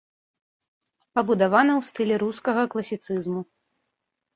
Пабудавана ў стылі рускага класіцызму.